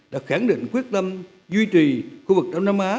đã khẳng định quyết tâm duy trì khu vực đông nam á